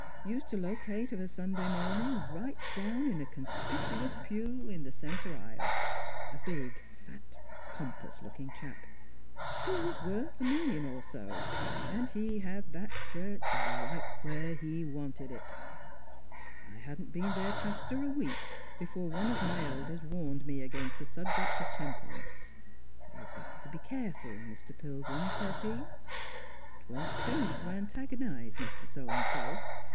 Used to locate of a Sunday morning right down in a conspicuous pew in the center aisle a big, fat, pompous looking chap. He was worth a million or so; and he had that church right where he wanted it. I hadn't been their pastor a week before one of my elders warned me against the subject of temperance. ' You got to be careful, Mr. Pilgrim,' says he ;' 'twon't do to antagonize Mr. So an' so.